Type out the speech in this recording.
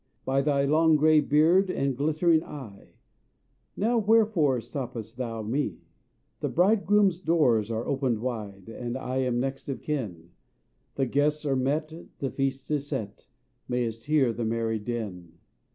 "By thy long gray beard and glittering eye, Now wherefore stopp'st thou me? The Bridegroom's doors are opened wide, And I am next of kin; The guests are met, the feast is set: May'st hear the merry din."